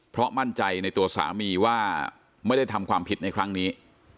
เพราะมั่นใจในตัวสามีว่าไม่ได้ทำความผิดในครั้งนี้